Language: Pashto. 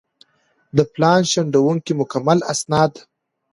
د پلان شنډولو مکمل اسناد